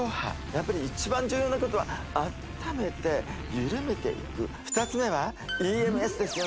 やっぱり一番重要なことは温めて緩めていく２つ目はＥＭＳですよね